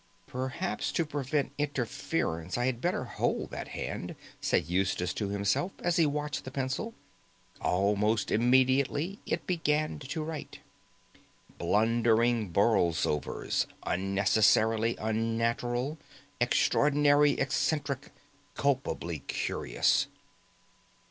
"Perhaps to prevent interference I had better hold that hand," said Eustace to himself, as he watched the pencil. Almost immediately it began to write. "Blundering Borlsovers, unnecessarily unnatural, extraordinarily eccentric, culpably curious."